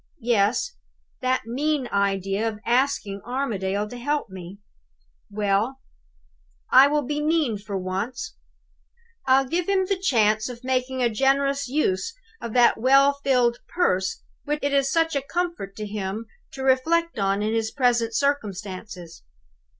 Yes; that mean idea of asking Armadale to help me! Well; I will be mean for once. I'll give him the chance of making a generous use of that well filled purse which it is such a comfort to him to reflect on in his present circumstances.